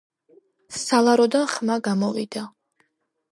სალაროდან ხმა გამოვიდა